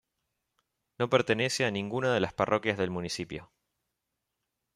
No pertenece a ninguna de las parroquias del municipio.